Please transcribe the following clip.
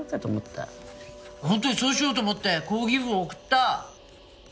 本当にそうしようと思って抗議文を送った！